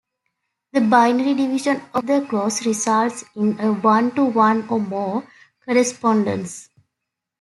The binary division of the clause results in a one-to-one-or-more correspondence.